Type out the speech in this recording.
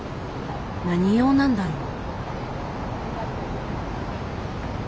何用なんだろう？